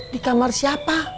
di kamar siapa